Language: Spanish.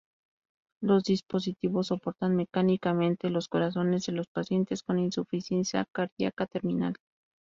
Los dispositivos soportan mecánicamente los corazones de los pacientes con insuficiencia cardíaca terminal.